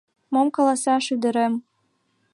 Мом каласаш, ӱдырем?